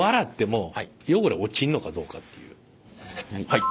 はい。